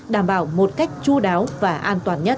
đảm bảo một cách chú đáo và an toàn nhất